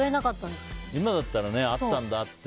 今だったらあったって。